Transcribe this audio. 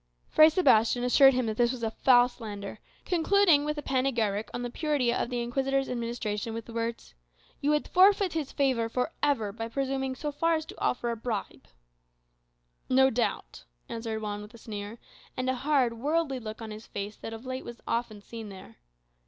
Fray Sebastian assured him this was a foul slander; concluding a panegyric on the purity of the Inquisitor's administration with the words, "You would forfeit his favour for ever by presuming so far as to offer a bribe." "No doubt," answered Juan with a sneer, and a hard, worldly look in his face that of late was often seen there.